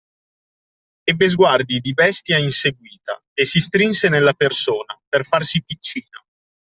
Ebbe sguardi di bestia inseguita, e si strinse nella persona, per farsi piccina.